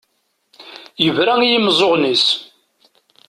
Yebra i yimeẓẓuɣen-is.